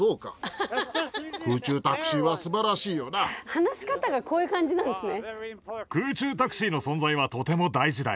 話し方がこういう感じなんですね。